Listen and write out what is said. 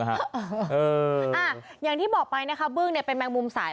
อะฮะเอออ่าอย่างที่บอกไปนะคะบึ้งเนี่ยเป็นแมงมุมสาย